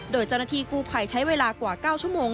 โดยเจ้าหน้าที่กู้ภัยใช้เวลากว่า๙ชั่วโมง